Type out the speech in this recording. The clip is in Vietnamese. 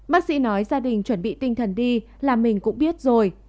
bác sĩ nói gia đình chuẩn bị tinh thần đi là mình cũng biết rồi